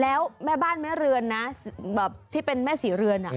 แล้วแม่บ้านแม่เรือนนะแบบที่เป็นแม่ศรีเรือน